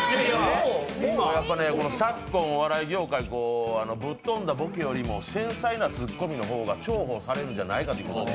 昨今、お笑い業界、ぶっ飛んだボケよりも繊細なツッコミの方が重宝されるんじゃないかと。